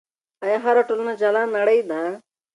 آیا هره ټولنه جلا نړۍ ده؟